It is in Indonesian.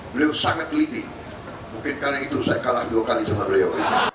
beliau sangat teliti mungkin karena itu saya kalah dua kali sama beliau